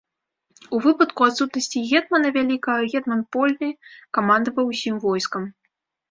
У выпадку адсутнасці гетмана вялікага, гетман польны камандаваў усім войскам.